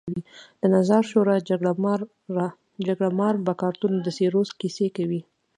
د نظار شورا جګړهمار بکارتونو د څېرلو کیسې کوي.